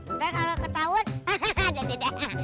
ntar kalau ketahuan hahaha dadah dadah